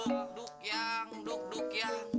duk yang duk duk yang